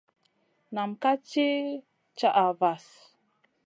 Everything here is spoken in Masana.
Nam ka sli caha vahl.